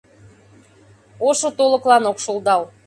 Ошыт олыклан ок шулдал.